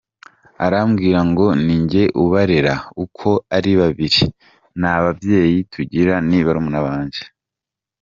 Arambwira ngo ni njye ubarera uko ari babiri nta babyeyi tugira ni barumuna banjye.